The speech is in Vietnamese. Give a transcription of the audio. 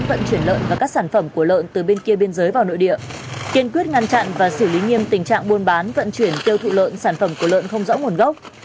vận chuyển lợn và các sản phẩm của lợn từ bên kia biên giới vào nội địa kiên quyết ngăn chặn và xử lý nghiêm tình trạng buôn bán vận chuyển tiêu thụ lợn sản phẩm của lợn không rõ nguồn gốc